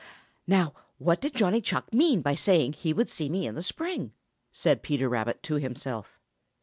"Now, what did Johnny Chuck mean by saying that he would see me in the spring?" said Peter Rabbit to himself.